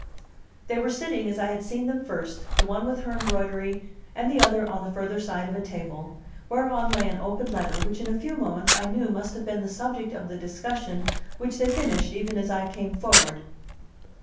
They were sitting as I had seen them first, the one with her embroidery, and the other on the further side of a table, whereon lay an open letter, which in a few moments I knew must have been the subject of the discussion which they finished even as I came forward.